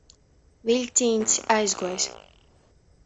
Viļcīņs aizguojs.